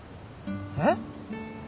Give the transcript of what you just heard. えっ？